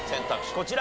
こちら。